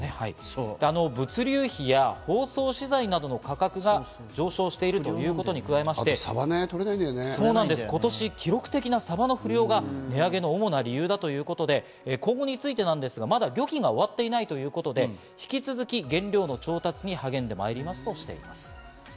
物流費や包装資材などの価格が上昇していることに加えまして、今年、記録的なサバの不漁が値上げの主な理由だということで、今後についてなんですが、まだ漁期が終わっていないということで、引き続き原料の調達に励んでまいりますとしています。